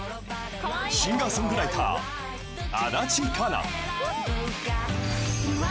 ［シンガー・ソングライター足立佳奈］